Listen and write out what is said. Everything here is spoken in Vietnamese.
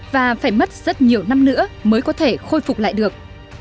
và phải mất rất nhiều năm nữa mới có thể khôi phục lại được